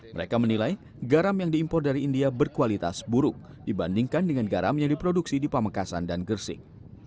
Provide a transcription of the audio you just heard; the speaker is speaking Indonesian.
mereka menilai garam yang diimpor dari india berkualitas buruk dibandingkan dengan garam yang diproduksi di pamekasan dan gersik